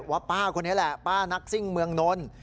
ป้าคนนี้แหละป้านักซิ่งเมืองนนท์